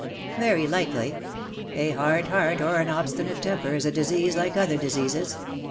"Very likely. A hard heart, or an obstinate temper, is a disease like other diseases.